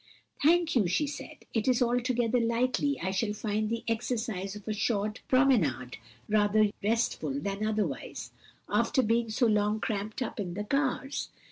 "Thank you," she said. "It is altogether likely I shall find the exercise of a short promenade rather restful than otherwise, after being so long cramped up in the cars.